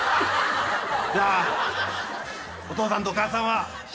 じゃあお父さんとお母さんは信じよう。